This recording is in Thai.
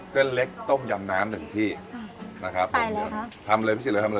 เส้นเล็กต้มยำน้ำหนึ่งที่อ่านะคะใส่แล้วคะทำเลยพี่ฉีดเลยทำเลย